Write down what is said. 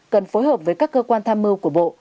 cần phối hợp với các cơ quan tham mưu của bộ